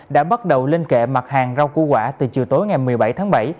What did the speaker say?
đã bắt đầu lên kệ mặt hàng rau củ quả từ chiều tối ngày một mươi bảy tháng bảy